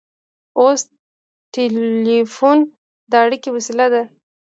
اوس ټیلیفون د اړیکې وسیله ده.